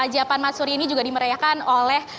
japan matsuri ini juga dimeriahkan oleh